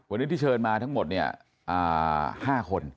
วันนี้ที่เชิญมาทั้งหมดเนี่ย๕คน